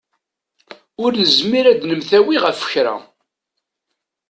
Ur nezmir ad nemtawi ɣef kra.